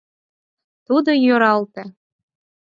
Тудо йӧралте.